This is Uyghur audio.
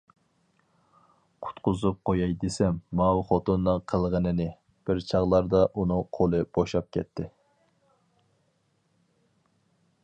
‹ قۇتقۇزۇپ قوياي دېسەم، ماۋۇ خوتۇننىڭ قىلغىنىنى.› بىر چاغلاردا ئۇنىڭ قولى بوشاپ كەتتى.